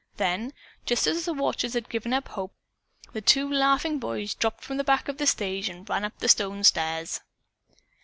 Then, just as the watchers had given up hope, the two laughing boys dropped from the back of the stage and ran up the stone stairs.